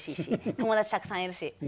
友達たくさんいるし。